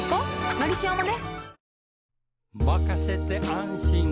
「のりしお」もね